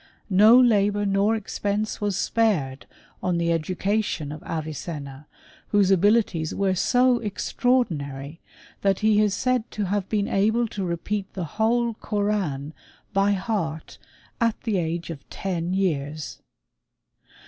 No labour nor expense was spared on the education of Avicenna, whose abilities were so extraordinary that he is said to have been able to repeat the whole Koran by heart at the age of ten years.